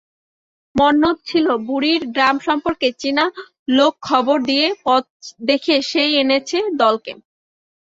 মন্মথ ছিল বুড়ীর গ্রামসম্পর্কে চেনা লোক–খবর দিয়ে পথ দেখিয়ে সে-ই এনেছে দলকে।